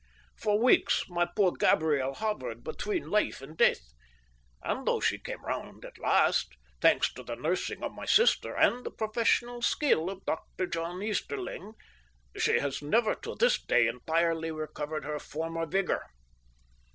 For weeks my poor Gabriel hovered between life and death, and though she came round at last, thanks to the nursing of my sister and the professional skill of Dr. John Easterling, she has never to this day entirely recovered her former vigour.